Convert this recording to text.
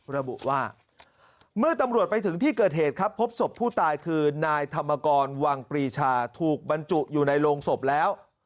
ระบุว่าเมื่อตำรวจไปถึงที่เกิดเหตุครับพบศพผู้ตายคือนายธรรมกรวังปรีชาถูกบรรจุอยู่ในโรงศพแล้ว